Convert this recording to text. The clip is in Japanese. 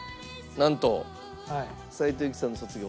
なんと斉藤由貴さんの『卒業』。